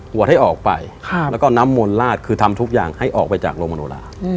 วดให้ออกไปแล้วก็น้ำมนต์ลาดคือทำทุกอย่างให้ออกไปจากโรงมโนรา